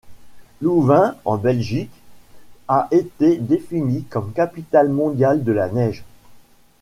Louvain, en Belgique, a été défini comme capitale mondiale de la Neige.